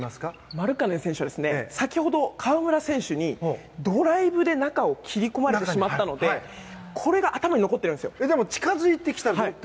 マルカネン選手は先ほど、河村選手にドライブで中に切り込まれてしまったのでこれが近づいてくると。